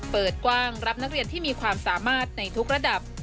เปิดกว้างรับนักเรียนที่มีความสามารถในทุกระดับ